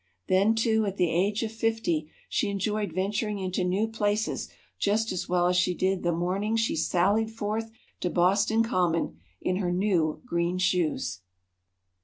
Then, too, at the age of fifty, she enjoyed venturing into new places just as well as she did the morning she sallied forth to Boston Common in her new green shoes!